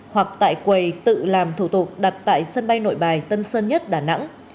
hãy quầy tự làm thủ tục đặt tại sân bay nội bài tân sơn nhất đà nẵng